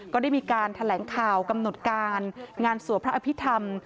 ก็ได้มีการแถลงข่าวกำหนดการงานสวดพระอภิษฐรรม